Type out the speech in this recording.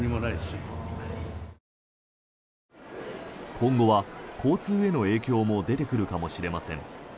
今後は交通への影響も出てくるかもしれません。